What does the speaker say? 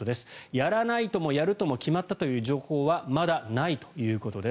やらないともやるとも決まったという情報はまだないということです。